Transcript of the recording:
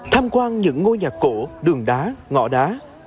tham quan những ngôi nhà cổ đường đá ngõ đá